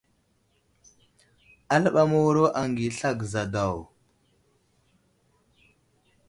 Aləɓay məwuro aghi asla gəza daw.